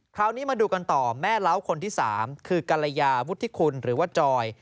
คราวนี้มาดูกันต่อแม่เล้าคนที่๓คือกรยาวุฒิคุณหรือว่าจอย